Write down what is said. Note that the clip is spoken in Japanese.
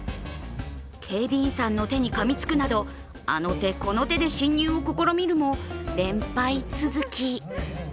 警備員さんの手にかみつくなどあの手この手で侵入を試みるも連敗続き。